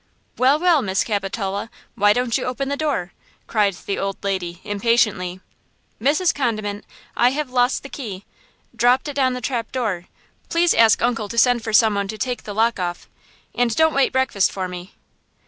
"Well–well–Miss Capitola, why don't you open the door?" cried the old lady, impatiently. "Mrs. Condiment, I have lost the key–dropped it down the trap door. Please ask uncle to send for some one to take the lock off–and don't wait breakfast for me."